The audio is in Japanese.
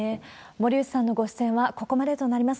森内さんのご出演はここまでとなります。